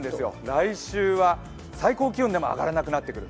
来週は最高気温でも上がらなくなってくる。